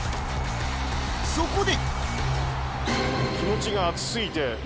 そこで。